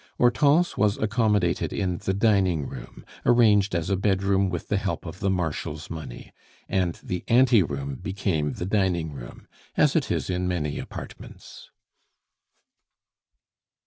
Hortense was accommodated in the dining room, arranged as a bedroom with the help of the Marshal's money, and the anteroom became the dining room, as it is in many apartments.